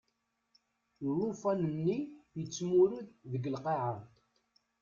Llufan-nni yettmurud deg lqaɛa.